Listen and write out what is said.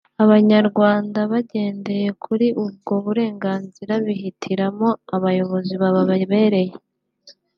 Abanyarwanda bagendeye kuri ubwo burenganzira bihitiramo abayobozi bababereye